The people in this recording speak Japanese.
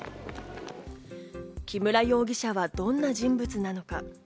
木村容疑者はどんな人物なのか？